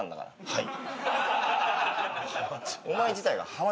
はい。